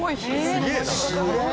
「すげえ！」